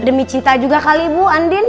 demi cinta juga kali ibu andin